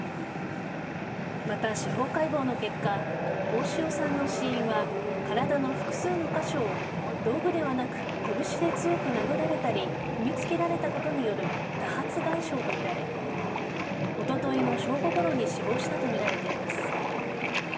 また、司法解剖の結果大塩さんの死因は体の複数の箇所を道具ではなく拳で強く殴られたり踏みつけられたことによる多発外傷とみられおとといの正午ごろに死亡したとみられています。